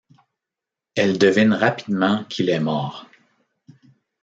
Elle devine rapidement qu'il est mort.